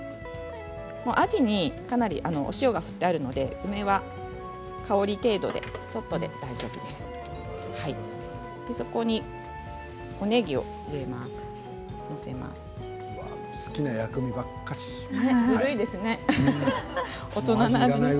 あじにかなり塩が振ってありますので梅は香り程度でちょっとで大丈夫です。